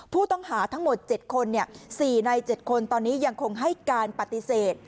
ผู้ต้องหาทั้งหมด๗คน๔ใน๗คนตอนนี้ยังคงให้การปฏิเสธ